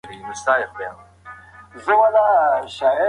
کوم عوامل د قوي شخصيت رامنځته کولو کي تاثیر کوي؟